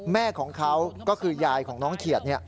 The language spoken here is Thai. แม่ของเขาก็คือยายของน้องเขียด